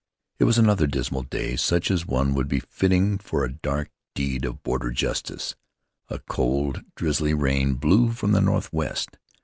It was another dismal day, such a one as would be fitting for a dark deed of border justice. A cold, drizzly rain blew from the northwest.